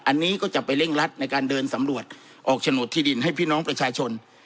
อันนี้ก็จะไปเร่งรัดในการเดินสำรวจออกโฉนดที่ดินให้พี่น้องประชาชน